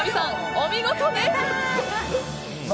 お見事です。